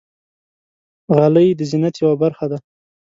غلۍ د زینت یوه برخه ده.